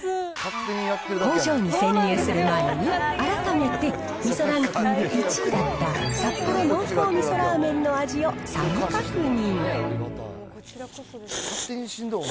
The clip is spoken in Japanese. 工場に潜入する前に、改めてみそランキング１位だった札幌濃厚味噌ラーメンの味を再確認。